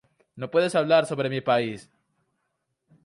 No puedes hablar sobre mí país.